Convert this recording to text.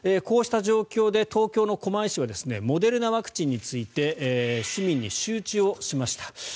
こうした状況で東京の狛江市はモデルナワクチンについて市民に周知をしました。